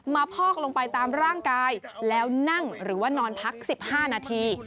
พอกลงไปตามร่างกายแล้วนั่งหรือว่านอนพัก๑๕นาที